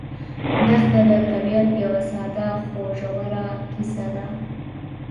دښته د طبیعت یوه ساده خو ژوره کیسه ده.